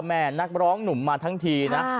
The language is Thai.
นักร้องหนุ่มมาทั้งทีนะ